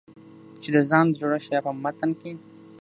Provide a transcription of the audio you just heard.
چې د ځان د جوړښت يا په متن کې